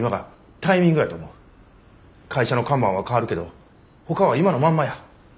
会社の看板は変わるけどほかは今のまんまや。